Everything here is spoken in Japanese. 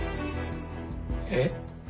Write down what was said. えっ。